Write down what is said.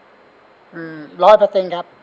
ร้อยเปอร์เซ็นต์ครับ